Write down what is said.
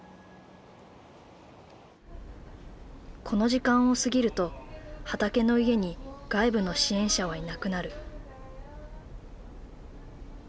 この時間を過ぎるとはたけのいえに外部の支援者はいなくなる。